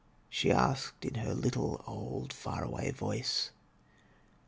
die asloed in her fitUe old, fax away voice.